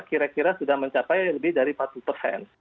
kira kira sudah mencapai lebih dari empat puluh persen